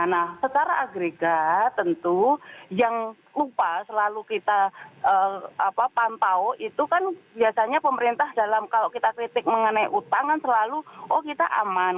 nah secara agregat tentu yang lupa selalu kita pantau itu kan biasanya pemerintah dalam kalau kita kritik mengenai utang kan selalu oh kita aman